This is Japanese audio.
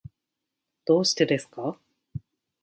どうしてですか。